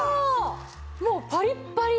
もうパリッパリ。